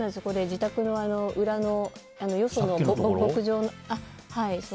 自宅の裏のよその牧場の。